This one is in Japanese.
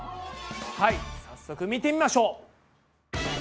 はい早速見てみましょう！